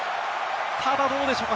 ただどうでしょうか？